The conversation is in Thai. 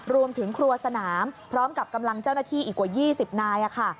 รวมถึงครัวสนามพร้อมกับกำลังเจ้าหน้าที่อีกกว่า๒๐นายค่ะ